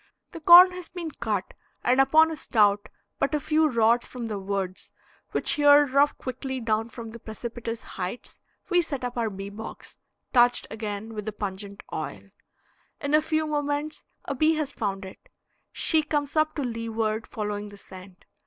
The corn has been cut, and upon a stout, but a few rods from the woods, which here drop quickly down from the precipitous heights, we set up our bee box, touched again with the pungent oil. In a few moments a bee has found it; she comes up to leeward, following the scent.